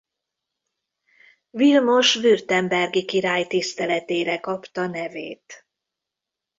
Vilmos württembergi király tiszteletére kapta nevét.